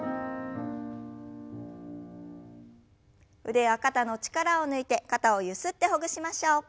腕や肩の力を抜いて肩をゆすってほぐしましょう。